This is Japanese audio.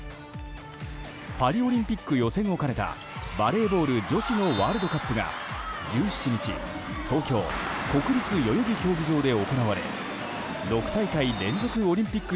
パリオリンピック予選を兼ねたバレーボール女子のワールドカップが１７日東京・国立代々木競技場で行われ６大会連続オリンピック